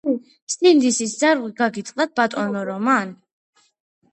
სინდისის ძარღვი გაგიწყდათ ბატონო რომან?